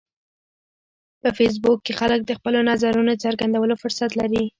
په فېسبوک کې خلک د خپلو نظرونو د څرګندولو فرصت لري